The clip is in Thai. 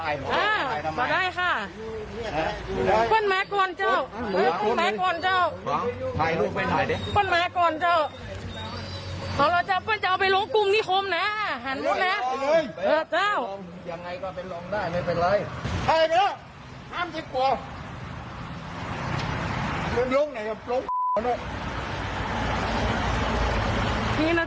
ยังไงก็ไปลองได้ไม่เป็นไร